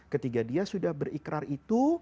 ketika dia sudah berikrar itu